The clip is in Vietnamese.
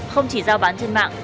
không chỉ giao bán trên mạng